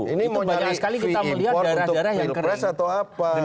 itu banyak sekali kita melihat daerah daerah yang kering